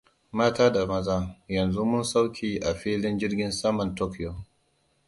Mata da Maza, yanzu mun sauka a filin jirgin saman Tokyo.